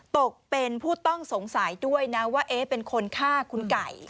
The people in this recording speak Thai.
ตกเป็นผู้ต้องสงสัยด้วยนะว่าเป็นคนฆ่าคุณไก่